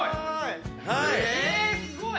えすごい！